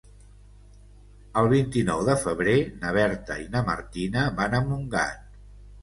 El vint-i-nou de febrer na Berta i na Martina van a Montgat.